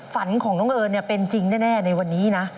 ฝันของน้องเอิญเป็นจริงแน่ในวันนี้นะ